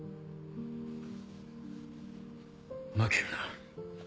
負けるな。